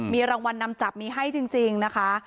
มีรางวัลนำจับมีให้จริงนะคะ